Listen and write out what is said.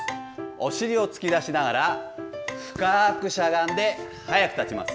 お尻を突き出しながら、深くしゃがんで、速く立ちます。